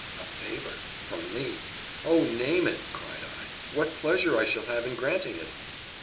"A favour! from me! Oh! name it," cried I: "What pleasure I shall have in granting it!"